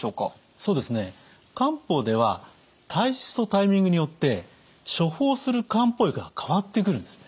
そうですね漢方では体質とタイミングによって処方する漢方薬が変わってくるんですね。